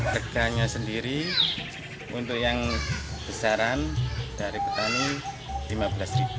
harganya sendiri untuk yang besaran dari petani rp lima belas